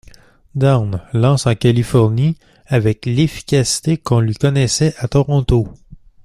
Downs lance en Californie avec l'efficacité qu'on lui connaissait à Toronto.